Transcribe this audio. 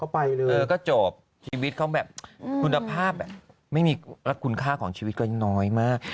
แล้วก็จบคุณภาพแบบไม่มีเหลือคุณค่าของชีวิตก็น้อยมาก